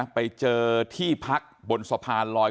ไปเจอที่พักบนสะพานลอย